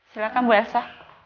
silahkan bu elsa